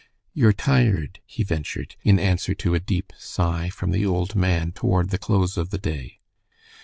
"You're tired," he ventured, in answer to a deep sigh from the old man, toward the close of the day.